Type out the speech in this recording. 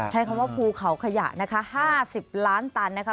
ใช้คำว่าภูเขาขยะนะคะ๕๐ล้านตันนะคะ